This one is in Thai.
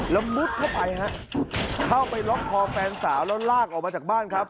แล้วมึดเข้าไปฮะเข้าไปล็อกคอแฟนสาวแล้วลากออกมาจากบ้านครับ